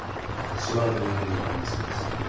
島の人間ではありませんでした。